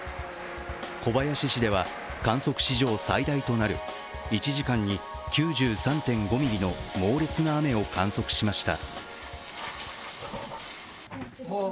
小林市では観測史上最大となる１時間に９３．５ミリの猛烈な雨を観測しました。